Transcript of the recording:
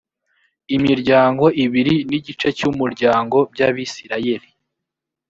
imiryango ibiri n igice cy umuryango by abisirayeli